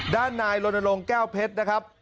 ด้านนายลนลงแก้วเพชรนะครับ